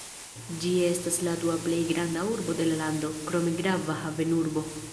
Ĝi estas la dua plej granda urbo de la lando, krome grava havenurbo.